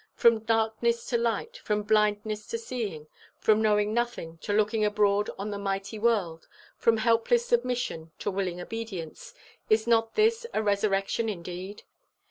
From darkness to light; from blindness to seeing; from knowing nothing to looking abroad on the mighty world; from helpless submission to willing obedience, is not this a resurrection indeed?